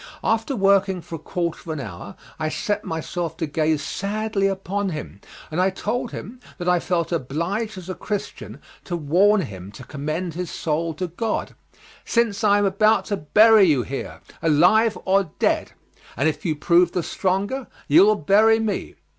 After working for a quarter of an hour I set myself to gaze sadly upon him, and I told him that I felt obliged as a Christian to warn him to commend his soul to God, "since I am about to bury you here, alive or dead; and if you prove the stronger, you will bury me.